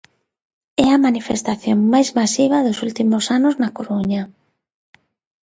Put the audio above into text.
É a manifestación máis masiva dos últimos anos na Coruña.